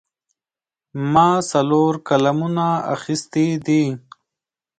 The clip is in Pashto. ما څلور قلمونه اخیستي دي.